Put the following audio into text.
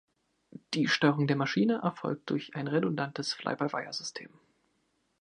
Die Steuerung der Maschine erfolgt durch ein redundantes Fly-by-Wire-System.